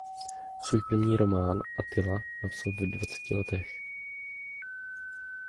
Svůj první román "Attila" napsal ve dvaceti letech.